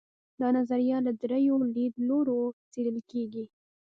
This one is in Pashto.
دا نظریه له درېیو لیدلورو څېړل کیږي.